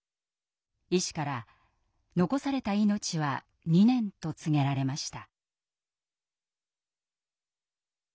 医師から残された命は２年と告げられました。